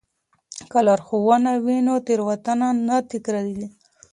که لارښوونه وي نو تېروتنه نه تکراریږي.